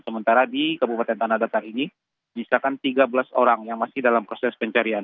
sementara di kabupaten tanah datar ini misalkan tiga belas orang yang masih dalam proses pencarian